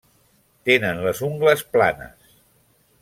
Tenen les ungles planes.